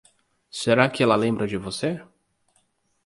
Será que ela lembra de você?